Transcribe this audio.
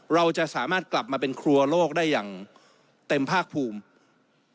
เราจะสามารถกลับมาเป็นครัวโลกได้อย่างเต็มภาคภูมิ